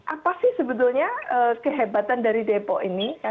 apa sih sebetulnya kehebatan dari depok ini